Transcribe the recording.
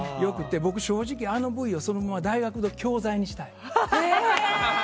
僕、正直、あのＶをそのまま大学の教材にしたい。